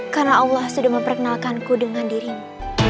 karena allah sudah memperkenalkanku dengan dirimu